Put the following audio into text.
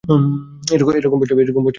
এ-রকম বর্ষা আমি আমার জীবনে দেখি নাই।